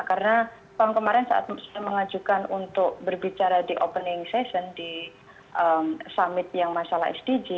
karena tahun kemarin saat saya mengajukan untuk berbicara di opening session di summit yang masalah sdg